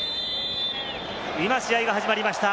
今、試合が始まりました。